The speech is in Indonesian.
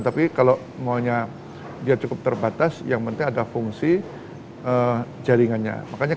tapi kalau maunya dia cukup terbatas yang penting ada fungsi jaringannya